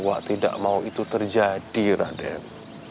wah tidak mau itu terjadi raden